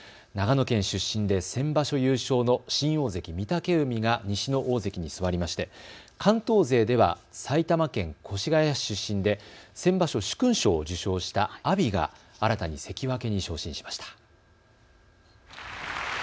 長野県出身で先場所優勝の新大関・御嶽海が西の大関に座りまして、関東勢では埼玉県越谷市出身で先場所殊勲賞を受賞した阿炎が新たに関脇に昇進しました。